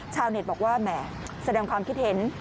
เน็ตบอกว่าแหมแสดงความคิดเห็น